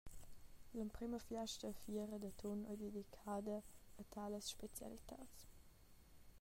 L’emprema fiasta e fiera d’atun ei dedicada a talas specialitads.